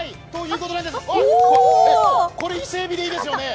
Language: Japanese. これ伊勢えびでいいですよね？